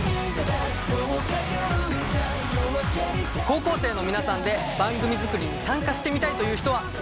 高校生の皆さんで番組作りに参加してみたいという人はいませんか？